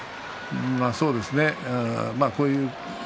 そうですね。